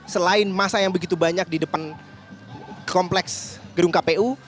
selain masa yang begitu banyak di depan kompleks gedung kpu